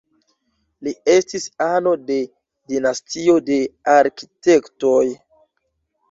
Li estis ano de dinastio de arkitektoj.